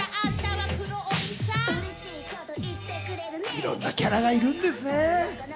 いろんなキャラがいるんですね。